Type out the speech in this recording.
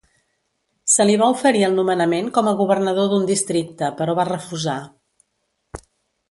Se li va oferir el nomenament com a governador d'un districte però va refusar.